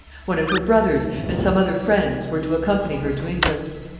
One of her brothers, and some other friends, were to accompany her to England.